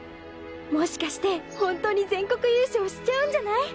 もしかして本当に全国優勝しちゃうんじゃない。